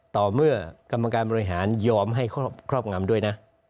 ต่อเมื่อกรรมการบริหารยอมให้ครอบงำด้วยนะ